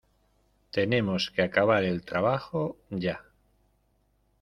Tenemos que acabar el trabajo ya.